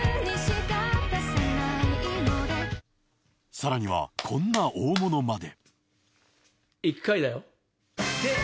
さらにはこんな大物まで。